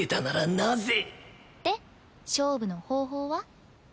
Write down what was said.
で勝負の方法は？